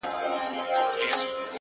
د زغم ځواک لوی هدفونه ممکن کوي.!